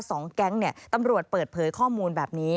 สองแก๊งเนี่ยตำรวจเปิดเผยข้อมูลแบบนี้